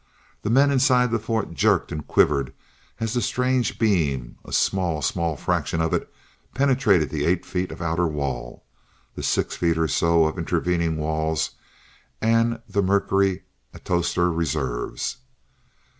The men inside the fort jerked and quivered as the strange beam, a small, small fraction of it, penetrated the eight feet of outer wall, the six feet or so of intervening walls, and the mercury atostor reserves.